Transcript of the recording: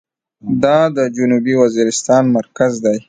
دا د جنوبي وزيرستان مرکز دى.